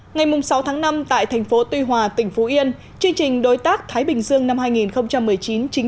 ngày sáu tháng năm tại thành phố tuy hòa tỉnh phú yên chương trình đối tác thái bình dương năm hai nghìn một mươi chín chính